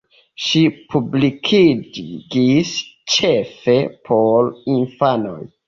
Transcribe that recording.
Ŝi publikigis ĉefe por infanoj.